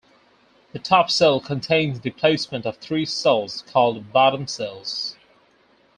The top cell contains the placement of three cells called "bottom cells".